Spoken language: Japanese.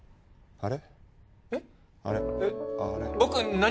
あれ？